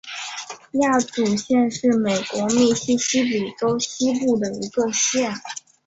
亚祖县是美国密西西比州西部的一个县。